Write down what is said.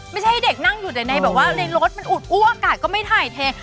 ไม่ใช่ให้เด็กนั่งอยู่ในรถอุดอู้อากาศก็ไม่ถ่ายเท